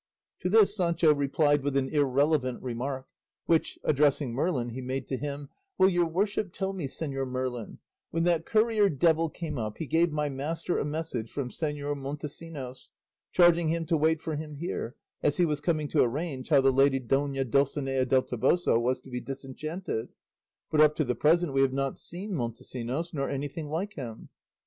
To this Sancho replied with an irrelevant remark, which, addressing Merlin, he made to him, "Will your worship tell me, Señor Merlin when that courier devil came up he gave my master a message from Señor Montesinos, charging him to wait for him here, as he was coming to arrange how the lady Dona Dulcinea del Toboso was to be disenchanted; but up to the present we have not seen Montesinos, nor anything like him."